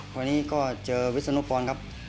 วันนี้ก็เจอวิศนุพรครับ